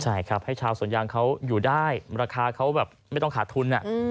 ใช่ครับให้ชาวสวนยางเขาอยู่ได้ราคาเขาแบบไม่ต้องขาดทุน